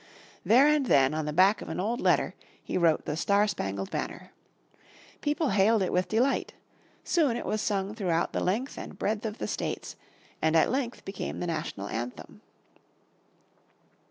There and then on the back of an old letter he wrote "The Star Spangled Banner." People hailed it with delight, soon it was sung throughout the length and breadth of the States, and at length became the National Anthem.